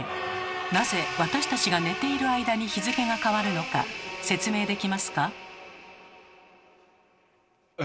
なぜ私たちが寝ている間に日付が変わるのか説明できますか？